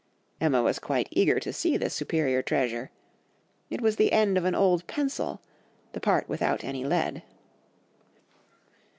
"Emma was quite eager to see this superior treasure. It was the end of an old pencil, the part without any lead.